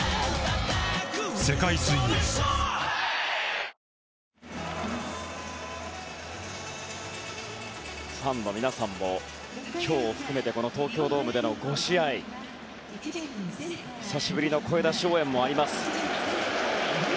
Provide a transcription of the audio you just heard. キリンのクラフトビール「スプリングバレー」ファンの皆さんも今日を含めてこの東京ドームでの５試合、久しぶりの声出し応援もあります。